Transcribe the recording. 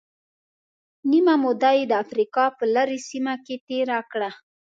نیمه موده یې د افریقا په لرې سیمه کې تېره کړه.